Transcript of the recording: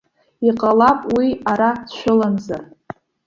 Иҟалап уи ара дшәыламзар?